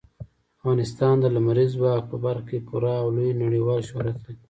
افغانستان د لمریز ځواک په برخه کې پوره او لوی نړیوال شهرت لري.